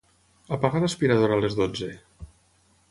Apaga l'aspiradora a les dotze.